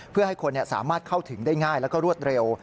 เพื่อให้คนสามารถเข้าถึงได้ง่ายแล้วก็รวดเร็ว